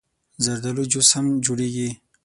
زردالو جوس هم جوړېږي.